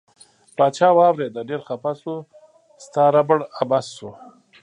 پاچا واوریده ډیر خپه شو ستا ربړ عبث شو.